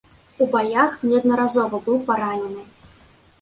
У баях неаднаразова быў паранены.